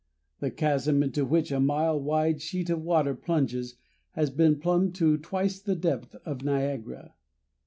The chasm into which a mile wide sheet of water plunges has been plumbed to twice the depth of Niagara.